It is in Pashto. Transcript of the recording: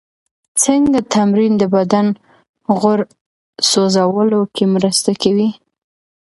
څنګه تمرین د بدن غوړ سوځولو کې مرسته کوي؟